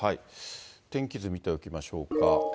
天気図見ておきましょうか。